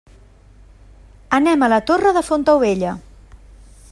Anem a la Torre de Fontaubella.